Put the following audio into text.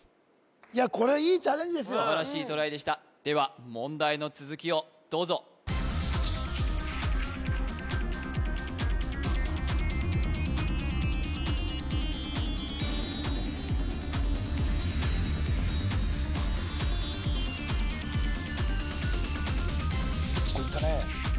いやこれはいいチャレンジですよ素晴らしいトライでしたでは問題の続きをどうぞ結構いったね・